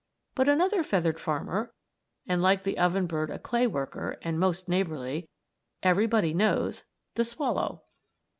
But another feathered farmer and, like the oven bird, a clay worker and most neighborly everybody knows; the swallow.